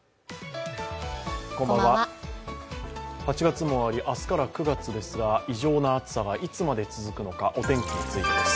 ８月も終わり、明日から９月ですが異常な暑さがいつまで続くのか、お天気についてです。